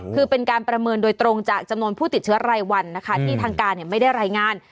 คือเป็นการประเมินโดยตรงจากจำนวนผู้ติดเชื้อรายวันนะคะที่ทางการไม่ได้รายงาน